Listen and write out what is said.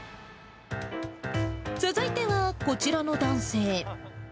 続いてはこちらの男性。